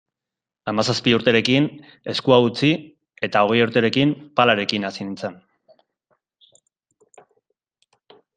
Hamazazpi urterekin eskua utzi eta hogei urterekin palarekin hasi nintzen.